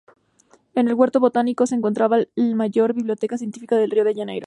En el Huerto Botánico se encontraba la mayor biblioteca científica de Río de Janeiro.